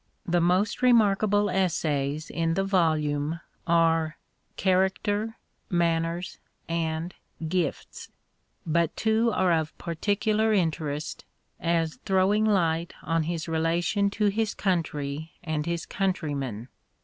The most remarkable essays in the volume are " Character," " Manners," and " Gifts "; but two are of particular interest as throwing light on his relation to his country and his countrymen, viz.